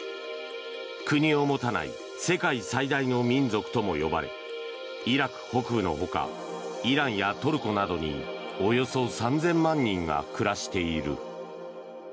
国を持たない世界最大の民族とも呼ばれイラク北部の他イランやトルコなどにおよそ３０００万人が暮らしている。